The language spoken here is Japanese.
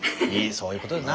そういうことだな。